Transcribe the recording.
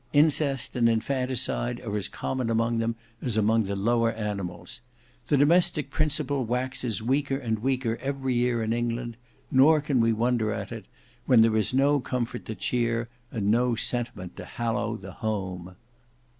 Incest and infanticide are as common among them as among the lower animals. The domestic principle waxes weaker and weaker every year in England: nor can we wonder at it, when there is no comfort to cheer and no sentiment to hallow the Home."